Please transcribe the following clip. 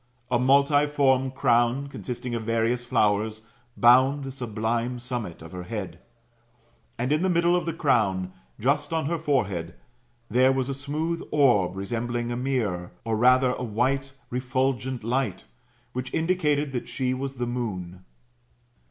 A multiform crown, consisting of various flowers, bound the sublime summit of her hewl. And in the middle of the crown, just on her forehead, there was a smooth orb resembling a mirror, or rather a white refulgent light, which indicated that she was the moon.